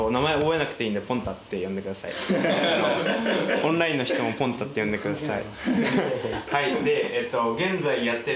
オンラインの人もポンタって呼んでください。